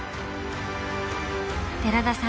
寺田さん